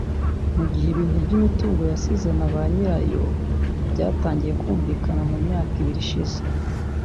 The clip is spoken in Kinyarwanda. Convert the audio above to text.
Mu gihe ibintu by’imitungo yasizwe na ba nyirayo byatangiye kumvikana mu myaka ibiri ishize